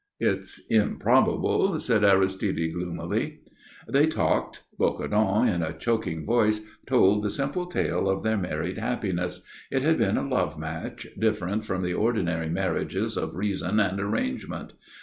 "It's improbable," said Aristide, gloomily. They talked. Bocardon, in a choking voice, told the simple tale of their married happiness. It had been a love match, different from the ordinary marriages of reason and arrangement.